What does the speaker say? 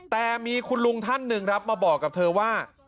แต่มีคุณลุงท่านหนึ่งครับมาบอกกับเธอว่า